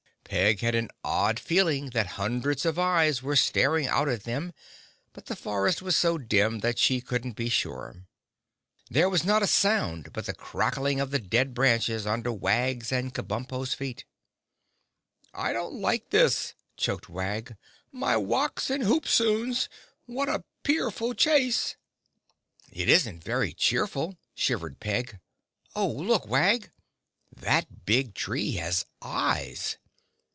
Peg had an odd feeling that hundreds of eyes were staring out at them but the forest was so dim that she couldn't be sure. There was not a sound but the crackling of the dead branches under Wag's and Kabumpo's feet. "I don't like this," choked Wag. "My wocks and hoop soons! What a pleerful chase!" "It isn't very cheerful," shivered Peg. "Oh, look, Wag! That big tree has eyes!"